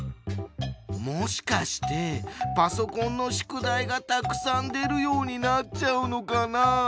もしかしてパソコンの宿題がたくさん出るようになっちゃうのかな？